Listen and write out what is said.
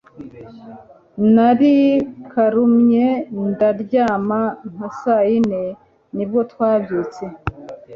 narikarumye ndaryama nka saayine nibwo twabyutse